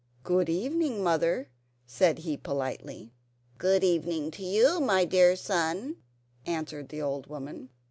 "Good evening, dear mother," said he politely. "Good evening to you, my dear son," answered the old woman.